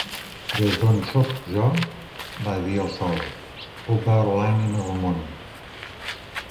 "Des d'on soc jo" va dir el sol, "puc veure l'ànima del món".